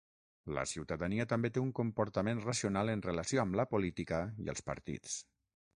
La ciutadania també té un comportament racional en relació amb la política i els partits.